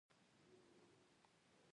اوس ئې قدر وکړئ! له مرګ وروسته ګټه نه لري.